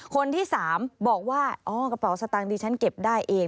คนที่๓บอกว่าอ๋อกระเป๋าสตางค์ดิฉันเก็บได้เอง